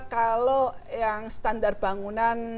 kalau yang standar bangunan